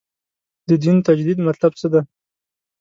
د دین تجدید مطلب څه دی.